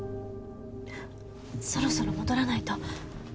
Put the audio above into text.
そろそろ戻らないと。